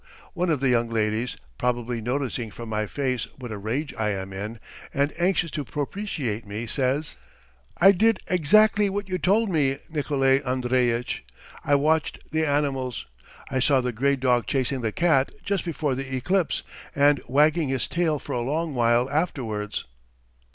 One of the young ladies, probably noticing from my face what a rage I am in, and anxious to propitiate me, says: "I did exactly what you told me, Nikolay Andreitch; I watched the animals. I saw the grey dog chasing the cat just before the eclipse, and wagging his tail for a long while afterwards."